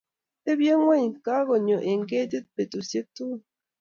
Tebye ngwony kukanyu eng ketit betusiek tugul